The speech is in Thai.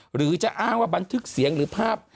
หรือจะอ้างว่าบันทึกเสียงหรือภาพ